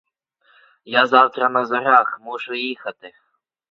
Я завтра на зорях мушу їхати.